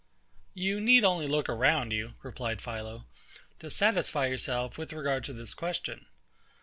You need only look around you, replied PHILO, to satisfy yourself with regard to this question.